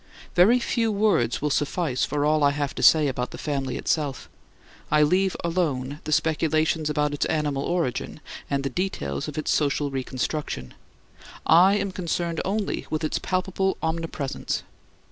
Very few words will suffice for all I have to say about the family itself. I leave alone the speculations about its animal origin and the details of its social reconstruction; I am concerned only with its palpable omnipresence.